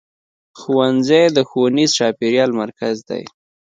ښوونځی د ښوونیز چاپېریال مرکز دی.